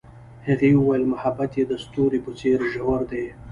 هغې وویل محبت یې د ستوري په څېر ژور دی.